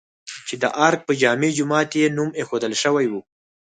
چې د ارګ په جامع جومات یې نوم ايښودل شوی و؟